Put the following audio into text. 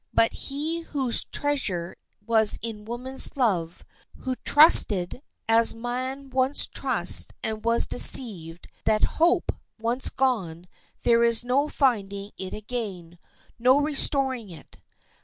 But he whose treasure was in woman's love, who trusted as man once trusts and was deceived—that hope once gone, there is no finding it again, no restoring it.